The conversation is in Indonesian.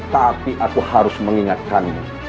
tapi aku harus mengingatkannya